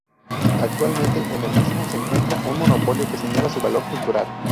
Actualmente en el mismo se encuentra un monolito que señala su valor cultural.